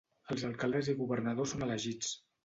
Els alcaldes i governadors són elegits.